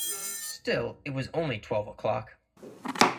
Still it was only twelve o’clock.